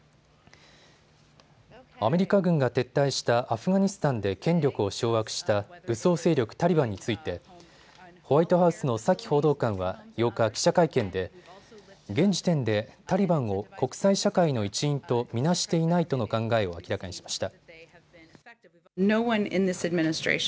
アメリカ軍が撤退したアフガニスタンで権力を掌握した武装勢力タリバンについてホワイトハウスのサキ報道官は８日、記者会見で現時点でタリバンを国際社会の一員と見なしていないとの考えを明らかにしました。